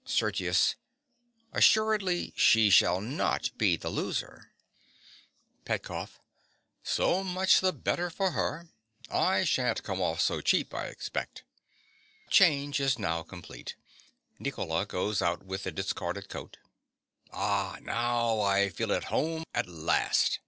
SERGIUS. Assuredly she shall not be the loser. PETKOFF. So much the better for her. I shan't come off so cheap, I expect. (The change is now complete. Nicola goes out with the discarded coat.) Ah, now I feel at home at last.